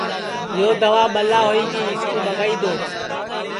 یو دوا ٻلا ہوئی گی اِس کُو ٻگائی دؔو